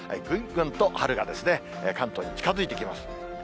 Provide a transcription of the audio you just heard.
ぐんぐんと春が関東に近づいてきます。